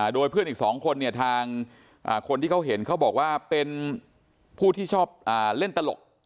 โดยเพื่อนอีก๒คนเนี่ยทางคนที่เขาเห็นเขาบอกว่าเป็นผู้ที่ชอบเล่นตลก